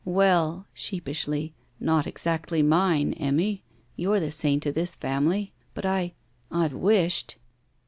"Well," sheepishly, "not exactly mine, Emmy; you're the saint of this family. But I — I 've wished.